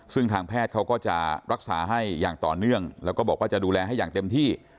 ซึ่งทางแพทย์เขาก็จะรักษาให้อย่างต่อเนื่องแล้วก็บอกว่าจะดูแลให้อย่างเต็มที่